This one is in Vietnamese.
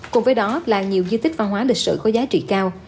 cùng với đó là nhiều di tích văn hóa lịch sử có giá trị cao